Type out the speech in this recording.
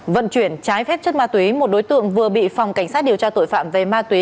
vận chuyển trái phép chất ma túy một đối tượng vừa bị phòng cảnh sát điều tra tội phạm về ma túy